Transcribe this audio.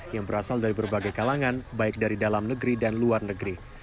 yang berasal dari berbagai kalangan baik dari dalam negeri dan luar negeri